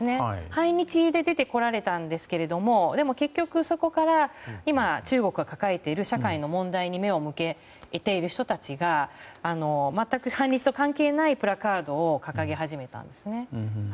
反日で出てこられたんですけど結局そこから中国が抱えている社会の問題に目を向けている人たちが全く半日関係ないプラカードを掲げ始めたんですね。